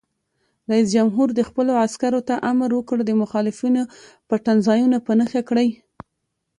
رئیس جمهور خپلو عسکرو ته امر وکړ؛ د مخالفینو پټنځایونه په نښه کړئ!